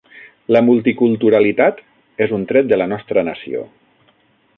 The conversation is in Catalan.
La multiculturalitat és un tret de la nostra nació.